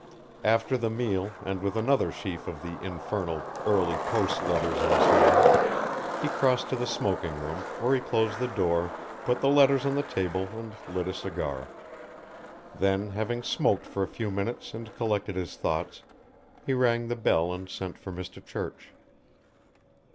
After the meal, and with another sheaf of the infernal early post letters in his hand, he crossed to the smoking room, where he closed the door, put the letters on the table and lit a cigar. Then, having smoked for a few minutes and collected his thoughts, he rang the bell and sent for Mr. Church.